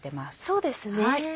そうですね。